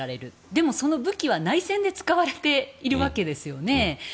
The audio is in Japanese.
でも、その武器は内戦で使われているわけですよね。